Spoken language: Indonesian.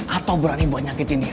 atau berani buat nyakitin dia